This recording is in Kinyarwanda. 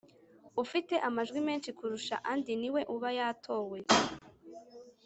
Ufite amajwi menshi kurusha andi niwe uba yatowe